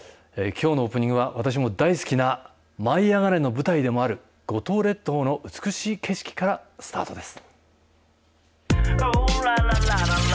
きょうのオープニングは、私も大好きな舞いあがれ！の舞台でもある、五島列島の美しい景色からスタートです。